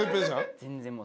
全然もう。